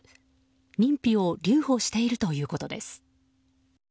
認否を留保しているということです。